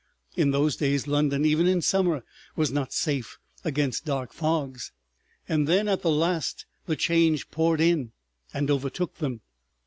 (In those days London even in summer was not safe against dark fogs.) And then at the last the Change poured in and overtook them.